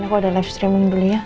aku ada live streaming dulu ya